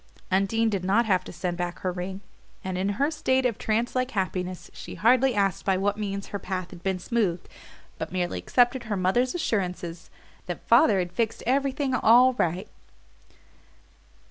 Undine did not have to send back her ring, and in her state of trance like happiness she hardly asked by what means her path had been smoothed, but merely accepted her mother's assurance that "father had fixed everything all right."